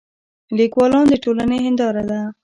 لیکوالان د ټولنې هنداره ده.